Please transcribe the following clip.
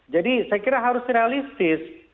jadi saya kira harus realistis